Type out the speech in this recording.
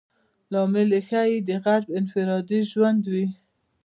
لامل یې ښایي د غرب انفرادي ژوند وي.